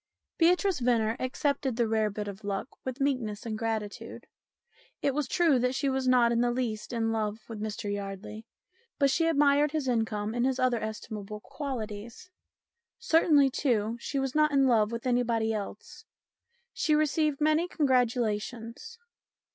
Beatrice Venner accepted the rare bit of luck with meekness and gratitude. It was true that she was not in the least in love with Mr Yardley, but she admired his income and his other estimable qualities. Certainly, too, she was not in love with anybody else. She received many congratulations.